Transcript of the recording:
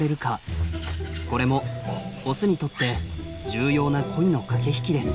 これもオスにとって重要な恋の駆け引きです。